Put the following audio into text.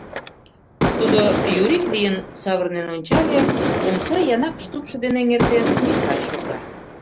Тудо юрик лийын, савырнен ончале: омса янакыш тупшо дене эҥертен, Миклай шога.